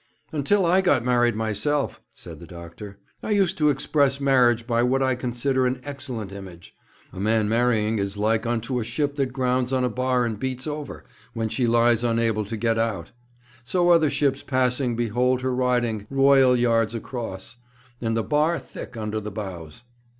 'Until I got married myself,' said the Doctor, 'I used to express marriage by what I consider an excellent image. A man marrying is like unto a ship that grounds on a bar and beats over, where she lies unable to get out; so other ships passing behold her riding, royal yards across, and the bar thick under the bows.'